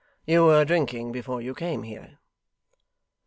You were drinking before you came here.